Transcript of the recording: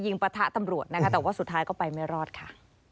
ปะทะตำรวจนะคะแต่ว่าสุดท้ายก็ไปไม่รอดค่ะ